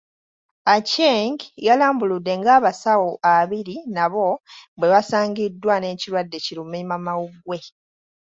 Aceng yalambuludde ng'abasawo abiri nabo bwe basangiddwa n'ekirwadde ki lumiimamawuggwe.